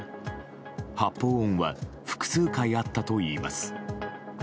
発砲音は複数回あったといいます。